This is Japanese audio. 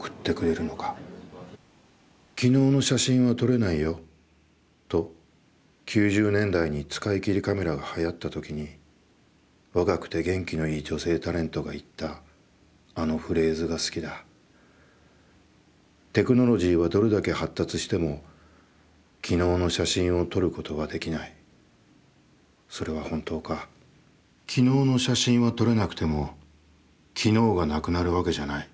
『昨日の写真は撮れないよ！』と、九十年代に使い切りカメラが流行ったときに若くて元気のいい女性タレントが言ったあのフレーズが好きだ、テクノロジーはどれだけ発達しても昨日の写真を撮ることはできない、それは本当か、昨日の写真は撮れなくても昨日がなくなるわけじゃない。